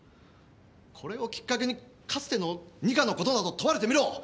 これをきっかけにかつての二課のことなど問われてみろ！